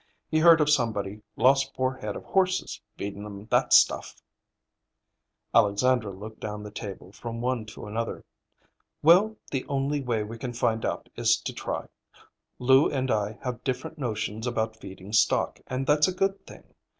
He heard of somebody lost four head of horses, feedin' 'em that stuff." Alexandra looked down the table from one to another. "Well, the only way we can find out is to try. Lou and I have different notions about feeding stock, and that's a good thing.